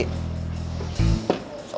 so baik lo bolak